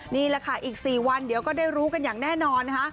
นี่แหละค่ะอีก๔วันเดี๋ยวก็ได้รู้กันอย่างแน่นอนนะคะ